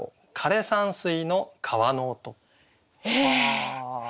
え！